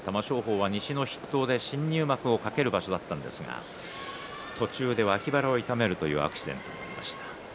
西の筆頭で新入幕を懸ける場所だったんですが途中で脇腹を痛めるアクシデントがありました。